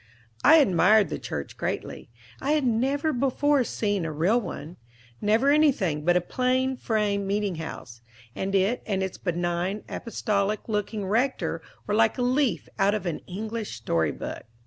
I admired the church greatly. I had never before seen a real one; never anything but a plain frame meeting house; and it and its benign, apostolic looking rector were like a leaf out of an English story book.